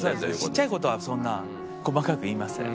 ちっちゃい事はそんな細かく言いません。